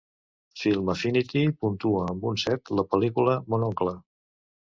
Filmaffinity puntua amb un set la pel·lícula Mon oncle